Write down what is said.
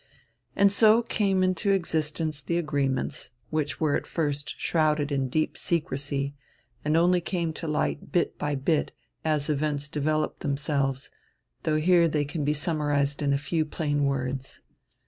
And so came into existence the agreements, which were at first shrouded in deep secrecy and only came to light bit by bit, as events developed themselves, though here they can be summarized in a few plain words.